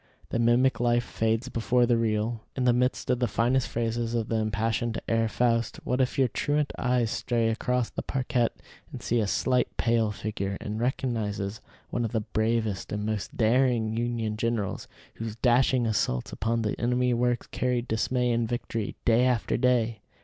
The mimic life fades before the real. In the midst of the finest phrases of the impassioned Herr Faust, what if your truant eyes stray across the parquette and see a slight, pale figure, and recognize one of the bravest and most daring Union generals, whose dashing assaults upon the enemy's works carried dismay and victory day after day?